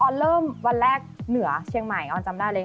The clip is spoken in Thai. เริ่มวันแรกเหนือเชียงใหม่ออนจำได้เลย